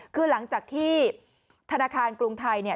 คือหลังจากที่ธนาคารกรุงไทยเนี่ย